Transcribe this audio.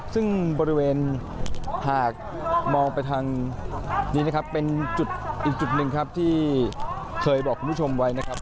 ซึ่งบริเวณหากมองไปทางนี้นะครับเป็นจุดอีกจุดหนึ่งครับที่เคยบอกคุณผู้ชมไว้นะครับ